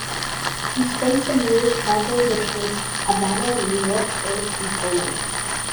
He spent some years travelling between Havana, New York, Paris and Poland.